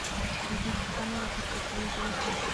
جدي پوښتنې راپورته کېږي.